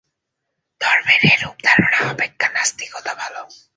ধর্মের এরূপ ধারণা অপেক্ষা নাস্তিকতা ভাল।